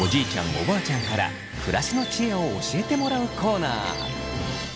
おばあちゃんから暮らしの知恵を教えてもらうコーナー。